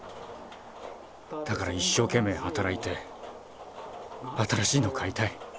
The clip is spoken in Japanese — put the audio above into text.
だから一生けんめいはたらいて新しいの買いたい。